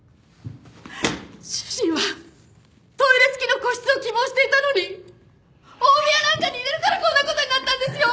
主人はトイレ付きの個室を希望していたのに大部屋なんかに入れるからこんな事になったんですよ！